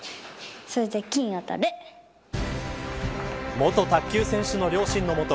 元卓球選手の両親のもと